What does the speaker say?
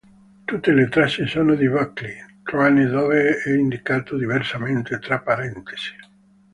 Tutte le tracce sono di Buckley, tranne dove è indicato diversamente tra parentesi.